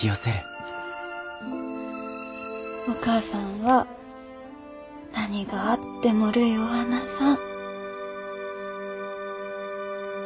お母さんは何があってもるいを離さん。